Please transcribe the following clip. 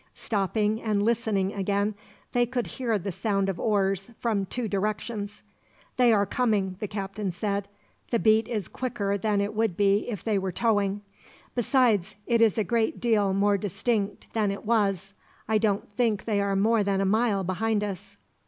Stopping and listening again, they could hear the sound of oars, from two directions. "They are coming," the captain said. "The beat is quicker than it would be if they were towing; besides, it is a great deal more distinct than it was. I don't think they are more than a mile behind us.